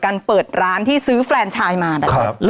ไม่ตัดไม่ตัดไม่ตัด